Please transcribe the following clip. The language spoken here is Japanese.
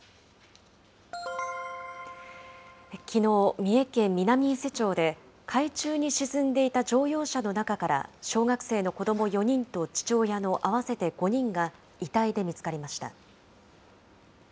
きのう、三重県南伊勢町で海中に沈んでいた乗用車の中から小学生の子ども４人と父親の合わせて５人が遺体で見つかりました。